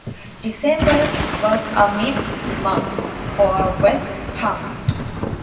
December was a mixed month for West Ham.